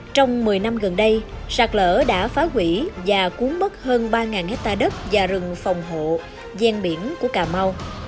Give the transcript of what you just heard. trong một mươi năm gần đây sạt lở đã phá quỷ và cuốn mất hơn ba hectare đất và rừng phòng hộ gian biển của cà mau